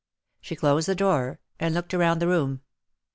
She closed the drawer, and looked around the room.